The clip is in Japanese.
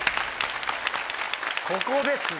ここですね。